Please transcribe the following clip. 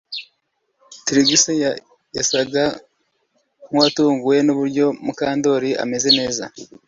Trix yasaga nkuwatunguwe nuburyo Mukandoli ameze neza